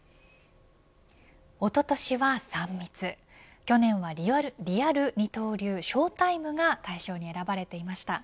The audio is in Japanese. おととしは３密去年はリアル二刀流ショータイムが大賞に選ばれていました。